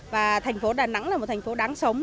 và thành phố đà nẵng là một thành phố đáng sống